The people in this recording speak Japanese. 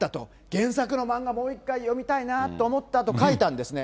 原作の漫画、もう一回読みたいなと書いたんですね。